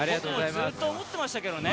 ずっと思ってましたけどね。